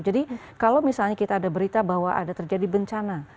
jadi kalau misalnya kita ada berita bahwa ada terjadi bencana